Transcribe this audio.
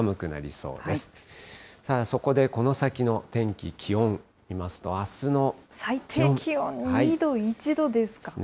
そこでこの先の天気、気温見ます最低気温２度、１度ですか。